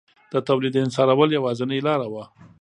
د تولید انحصارول یوازینۍ لار وه